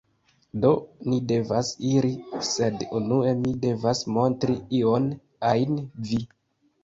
Do, ni devas iri sed unue mi devas montri ion ajn vi